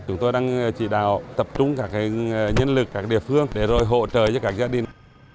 chúng tôi đang chỉ đạo tập trung các nhân lực các địa phương để rồi hỗ trợ cho các gia đình